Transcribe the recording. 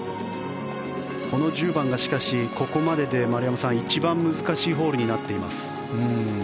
この１０番が、しかしここまでで丸山さん、一番難しいホールになっています。